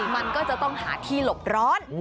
มันก็จะต้องหาที่หลบร้อน